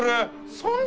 そんな！